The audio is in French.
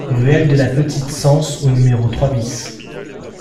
Ruelle de la Petite Cense au numéro trois BIS